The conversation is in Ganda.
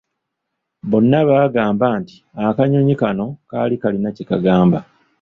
Bonna baagamba nti akanyonyi kano kaali kalina kye kagamba.”